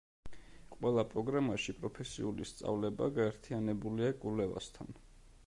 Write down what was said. ყველა პროგრამაში პროფესიული სწავლება გაერთიანებულია კვლევასთან.